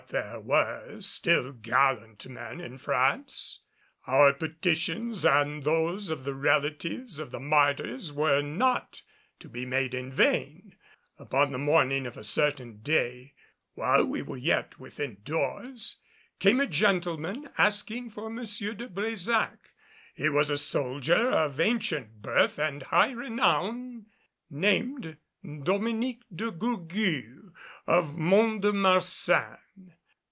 But there were still gallant men in France. Our petitions and those of the relatives of the martyrs were not to be made in vain. Upon the morning of a certain day, while we were yet within doors, came a gentleman asking for M. de Brésac. He was a soldier of ancient birth and high renown, named Dominique de Gourgues of Mont de Marsan.